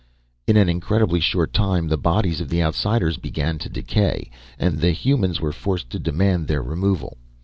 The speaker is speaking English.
In an incredibly short time the bodies of the Outsiders began to decay, and the humans were forced to demand their removal.